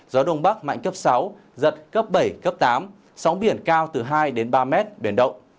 gió đông bắc mạnh cấp sáu giật cấp bảy cấp tám sóng biển cao từ hai đến ba mét biển động